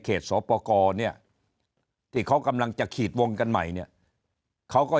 เขตสปกณนี้ที่เขากำลังจะขีดวงกันใหม่นี้เขาก็